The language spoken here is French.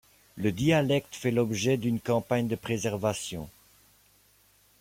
Le dialecte fait l'objet d'une campagne de préservation.